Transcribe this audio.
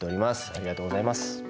ありがとうございます。